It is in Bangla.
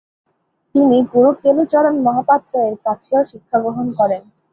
তিনি 'গুরু কেলুচরণ মহাপাত্র'-এর কাছেও শিক্ষা গ্রহণ করেন।